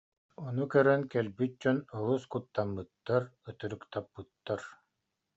Ону көрөн кэлбит дьон олус куттаммыттар, ытырыктаппыттар